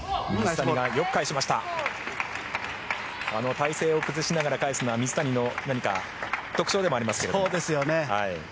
体勢を崩しながら返すのは水谷の特徴でもありますね。